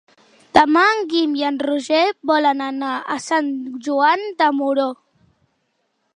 Demà en Guim i en Roger volen anar a Sant Joan de Moró.